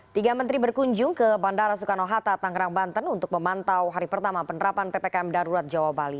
tiga menteri berkunjung ke bandara soekarno hatta tangerang banten untuk memantau hari pertama penerapan ppkm darurat jawa bali